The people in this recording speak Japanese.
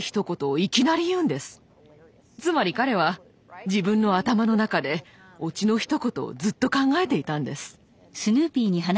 つまり彼は自分の頭の中でオチのひと言をずっと考えていたんです。